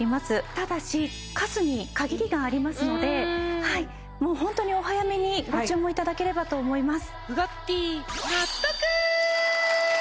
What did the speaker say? ただし数に限りがありますのではいもうホントにお早めにご注文いただければと思います